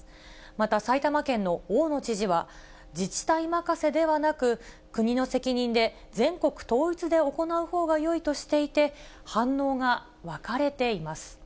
また埼玉県の大野知事は、自治体任せではなく、国の責任で全国統一で行うほうがよいとしていて、反応が分かれています。